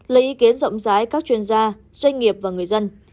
lấy ý kiến rộng rãi các chuyên gia doanh nghiệp và người dân